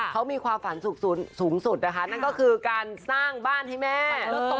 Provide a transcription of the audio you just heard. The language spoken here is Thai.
เขามีความฝันสูงสุดนะคะนั่นก็คือการสร้างบ้านให้แม่